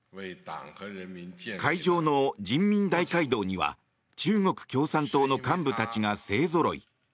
会場の人民大会堂には中国共産党の幹部たちが勢ぞろい。